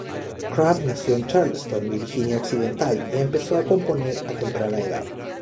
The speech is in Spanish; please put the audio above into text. Crumb nació en Charleston, Virginia Occidental, y empezó a componer a temprana edad.